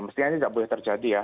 mestinya ini tidak boleh terjadi ya